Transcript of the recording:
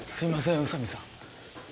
宇佐美さん